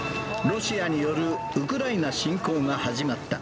ロシアによるウクライナ侵攻が始まった。